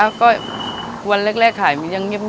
มีวันหยุดเอ่ออาทิตย์ที่สองของเดือนค่ะ